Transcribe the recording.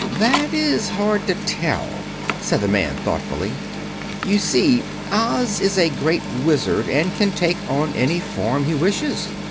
"That is hard to tell," said the man thoughtfully. "You see, Oz is a Great Wizard, and can take on any form he wishes.